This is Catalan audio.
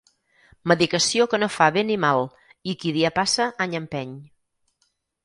Medicació que no fa bé ni mal, i qui dia passa any empeny.